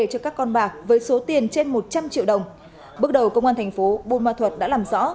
cho các con bạc với số tiền trên một trăm linh triệu đồng bước đầu công an thành phố buôn ma thuật đã làm rõ